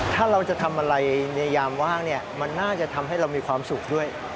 ถ้าเราจะทำอะไรในยามว่างเนี่ยมันน่าจะทำให้เรามีความสุขด้วย